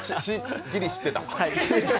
ギリ知ってた？